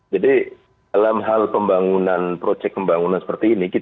jadi dalam hal pembangunan proyek pembangunan seperti ini